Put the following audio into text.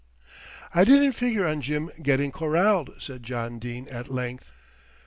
"I didn't figure on Jim getting corralled," said John Dene at length.